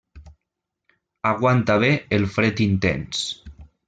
Aguanta bé el fred intens.